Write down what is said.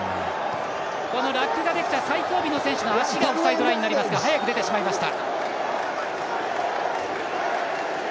ラックができた最後尾の選手の足がオフサイドラインにありますが早く出てしまいました。